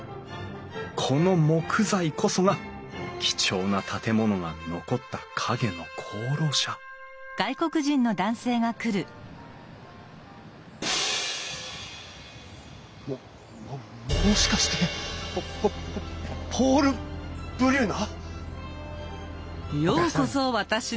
この木材こそが貴重な建物が残った陰の功労者もももしかしてポポポール・ブリュナ！？